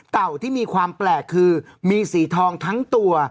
ที่มีความแปลกคือมีสีทองทั้งตัว